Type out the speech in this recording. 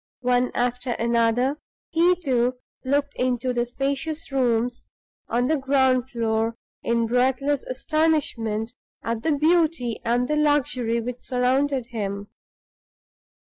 One after another, he, too, looked into the spacious rooms on the ground floor in breathless astonishment at the beauty and the luxury which surrounded him.